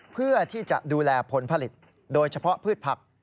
เพื่อที่จะดูแลผลผลิตโดยเฉพาะพืชผัก